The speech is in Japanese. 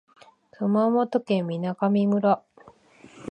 熊本県水上村